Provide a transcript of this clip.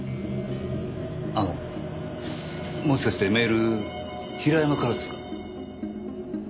あのもしかしてメール平山からですか？